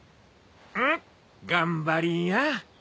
うむ頑張りや。